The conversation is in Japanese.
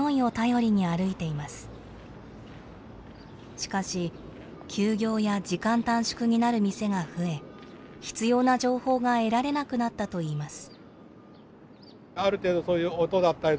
しかし休業や時間短縮になる店が増え必要な情報が得られなくなったといいます。